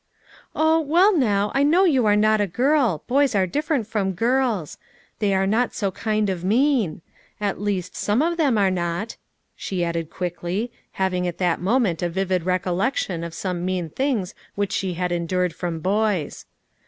" Oh, well now, I know, you are not a girl ; boys are different from girls. They are not so kind of mean ! At least, some of them are not," she added quickly, having at that moment a vivid recollection of some mean things which she had endured from boys.